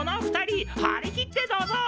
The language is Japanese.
張り切ってどうぞ！